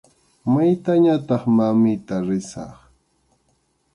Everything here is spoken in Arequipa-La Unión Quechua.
Maytañataq, mamita, risaq.